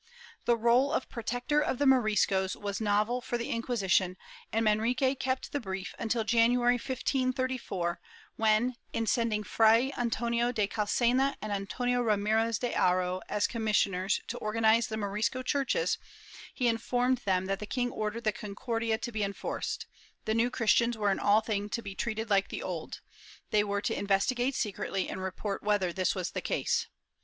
^ The role of protector of the Moriscos was novel for the Inquisition and Manrique kept the brief until January, 1534, when, in sending Fray Antonio de Calcena and Anto nio Ramirez de Haro as commissioners to organize the Morisco churches, he informed them that the king ordered the Concordia to be enforced ; the New Christians were in all things to be treated like the Old ; they were to investigate secretly and report whether this was the case.